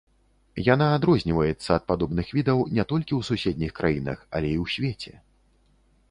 Яна адрозніваецца ад падобных відаў не толькі ў суседніх краінах, але і ў свеце.